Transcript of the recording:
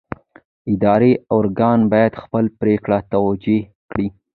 اداري ارګان باید خپله پرېکړه توجیه کړي.